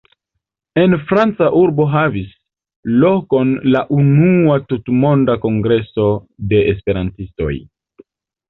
En franca urbo havis lokon la unua tutmonda kongreso de Esperantistoj.